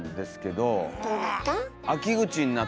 どうだった？